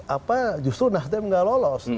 apa justru nasdem nggak lolos